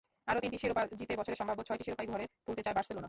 আরও তিনটি শিরোপা জিতে বছরে সম্ভাব্য ছয়টি শিরোপাই ঘরে তুলতে চায় বার্সেলোনা।